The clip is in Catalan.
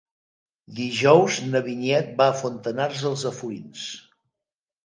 Dijous na Vinyet va a Fontanars dels Alforins.